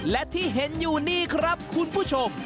และที่เห็นอยู่นี่ครับคุณผู้ชม